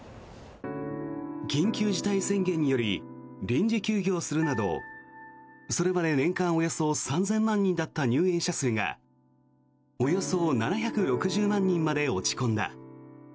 緊急事態宣言により臨時休業するなどそれまで年間およそ３０００万人だった入園者数がおよそ７６０万人まで落ち込んだ。